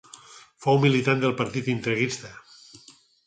Fou militant del partit integrista.